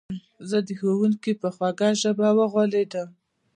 زه د ښوونکي په خوږه ژبه وغولېدم.